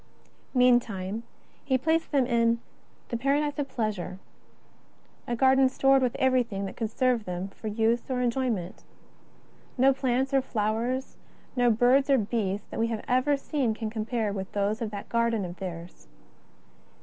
Meantime He placed them in " the paradise of pleasure," a garden stored with everything that could serve them for use or enjoyment. Xo plants or flowers, no birds or beasts that we have ever seen can compare with those of that garden of theirs.